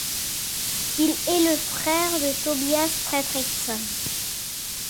Il est le frère de Thobias Fredriksson.